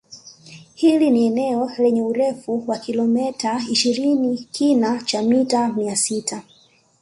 Hili ni eneo lenye urefu wa kilometa ishirini kina cha mita mia sita